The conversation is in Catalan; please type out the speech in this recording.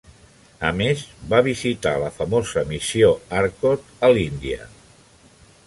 A més, va visitar la famosa Missió Arcot a l'Índia.